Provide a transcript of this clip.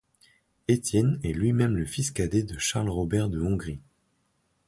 Étienne est lui-même le fils cadet de Charles Robert de Hongrie.